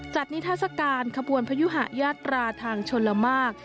จัดนิทัศน์การกระบวนพยุหายาตราทางชลมาก